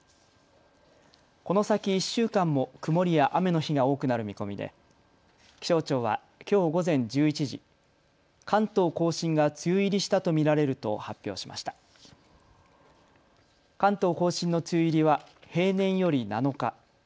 この先１週間も曇りや雨の日が多くなる見込みで気象庁はきょう午前１１時、関東甲信が梅雨入りしたと見られると発表しました。